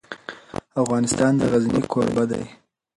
افغانستان د غزني کوربه دی.